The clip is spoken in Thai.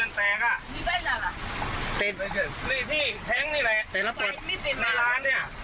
ไม่เกินนี่สินี่แหละแต่เราปวดไฟไม่ติดในร้านเนี้ย